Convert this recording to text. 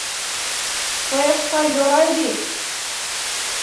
Саяфҡа ярай бит!